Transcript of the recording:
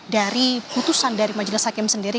dari putusan dari majelis hakim sendiri